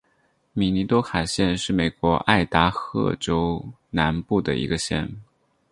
米尼多卡县是美国爱达荷州南部的一个县。